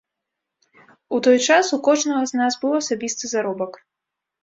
У той час у кожнага з нас быў асабісты заробак.